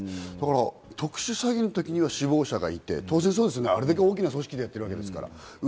特殊詐欺の時には首謀者がいて、あれだけ大きな組織でやっていますから。